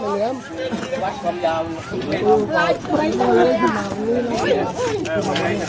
ไอ้เหลือม